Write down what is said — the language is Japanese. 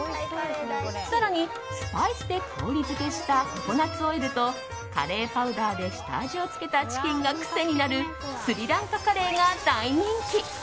更にスパイスで香りづけしたココナツオイルとカレーパウダーで下味をつけたチキンが癖になるスリランカカレーが大人気。